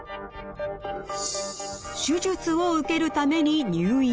手術を受けるために入院。